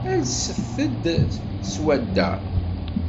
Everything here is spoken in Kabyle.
Alset-d seg swadda.